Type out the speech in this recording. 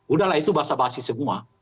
udahlah itu bahasa bahasa semua